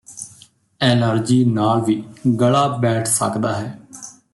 allergy ਨਾਲ ਵੀ ਗਲਾ ਬੈਠ ਸਕਦਾ ਹੈ